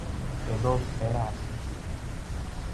E non era así.